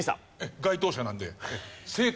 該当者なので。